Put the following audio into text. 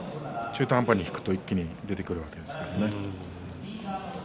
中途半端にいくと一気に出てくるわけですからね。